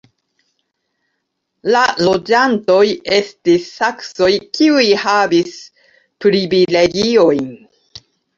La loĝantoj estis saksoj, kiuj havis privilegiojn.